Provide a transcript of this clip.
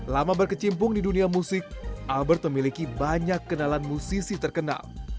lama berkecimpung di dunia musik albert memiliki banyak kenalan musisi terkenal